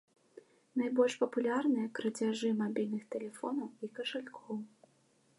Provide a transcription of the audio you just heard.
Найбольш папулярныя крадзяжы мабільных тэлефонаў і кашалькоў.